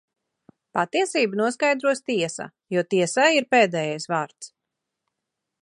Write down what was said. Patiesību noskaidros tiesa, jo tiesai ir pēdējais vārds.